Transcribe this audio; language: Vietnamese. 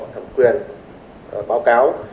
thẩm quyền báo cáo